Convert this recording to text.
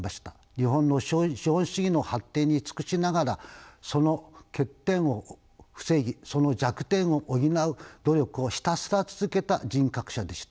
日本の資本主義の発展に尽くしながらその欠点を防ぎその弱点を補う努力をひたすら続けた人格者でした。